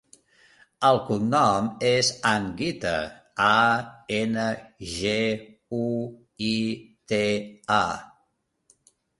El cognom és Anguita: a, ena, ge, u, i, te, a.